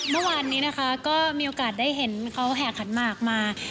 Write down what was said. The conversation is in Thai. เมื่อวานนี้นะคะก็มีโอกาสได้เห็นเขาแห่ขันหมากมา